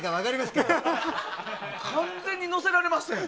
完全に乗せられましたやん！